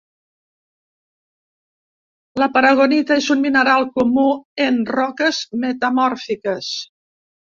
La paragonita és un mineral comú en roques metamòrfiques.